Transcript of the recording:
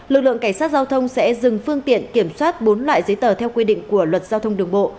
lực lượng cảnh sát giao thông sẽ dừng phương tiện kiểm soát bốn loại giấy tờ theo quy định của luật giao thông đường bộ